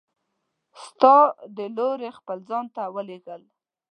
ستا د لورې خپل ځان ته ولیږل!